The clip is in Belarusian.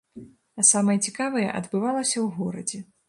А самае цікавае адбывалася ў горадзе.